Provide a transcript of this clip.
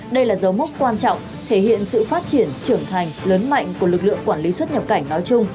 đây là dấu mốc quan trọng thể hiện sự phát triển trưởng thành lớn mạnh của lực lượng quản lý xuất nhập cảnh nói chung